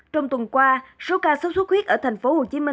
trong tuần qua số ca xuất xuất huyết ở tp hcm